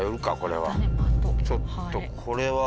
ちょっとこれは。